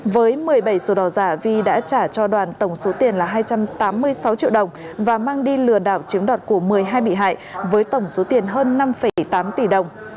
với một mươi bảy sổ đỏ giả vi đã trả cho đoàn tổng số tiền là hai trăm tám mươi sáu triệu đồng và mang đi lừa đảo chiếm đoạt của một mươi hai bị hại với tổng số tiền hơn năm tám tỷ đồng